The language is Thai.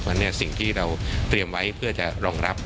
เพราะฉะนั้นสิ่งที่เราเตรียมไว้เพื่อจะรองรับ